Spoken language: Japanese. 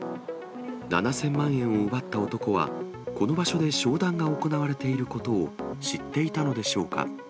７０００万円を奪った男は、この場所で商談が行われていることを知っていたのでしょうか。